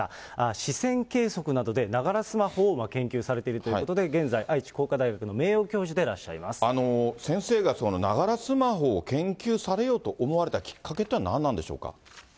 視線計測などで、ながらスマホを研究されているということで、現在、愛知工科大学の名誉教授でら先生がそのながらスマホを研究されようと思われたきっかけとは何なんでしょうか。